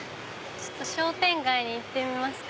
商店街に行ってみますか。